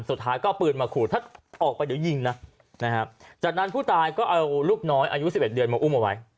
สุดท้ายก็เอาปืนมาขู่ถ้าออกไปเดี๋ยวยิงนะจากนั้นผู้ตายก็เอาลูกน้อยอายุ๑๑เดือนมาอุ้มเอาไว้